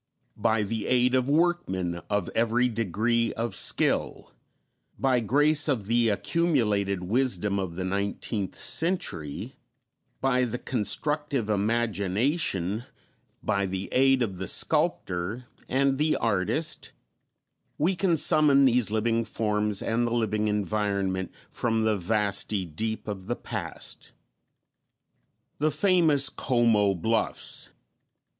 By the aid of workmen of every degree of skill, by grace of the accumulated wisdom of the nineteenth century, by the constructive imagination, by the aid of the sculptor and the artist, we can summon these living forms and the living environment from the vasty deep of the past. _The Famous Como Bluffs.